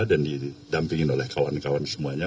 dan didampingin oleh kawan kawan semuanya